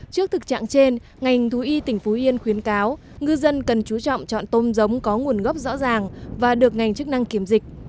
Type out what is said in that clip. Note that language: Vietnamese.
trước thực trạng trên ngành thú y tỉnh phú yên khuyến cáo ngư dân cần chú trọng chọn tôm giống có nguồn gốc rõ ràng và được ngành chức năng kiểm dịch